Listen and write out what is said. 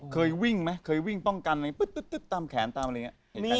เคยวิ่งมั้ยเคยวิ่งป้องกันตามแขนตามอะไรอย่างนี้